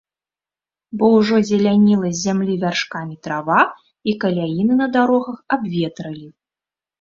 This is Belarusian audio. Бо ўжо зеляніла з зямлі вяршкамі трава, і каляіны на дарогах абветралі.